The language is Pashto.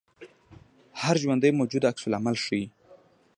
هر ژوندی موجود عکس العمل ښيي